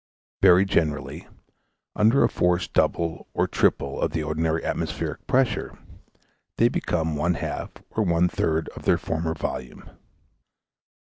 Very generally, under a force double or triple of the ordinary atmospheric pressure, they become one half or one third their former volume.